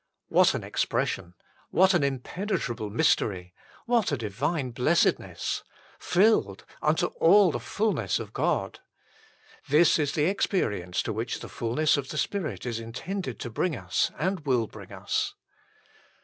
What an expression ! what an impenetrable mystery ! what a divine blessedness ! Filled unto all the fulness of God : this is the 132 THE FULL BLESSING OF PENTECOST experience to which the fulness of the Spirit is intended to bring us, and will bring us.